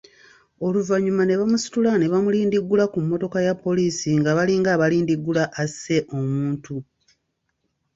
Oluvannyuma ne bamusitula ne bamulindiggula ku mmotoka ya poliisi nga balinga abalindiggula asse omuntu.